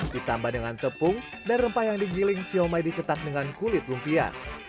ditambah dengan tepung dan rempah yang digiling siomay dicetak dengan kulit lumpia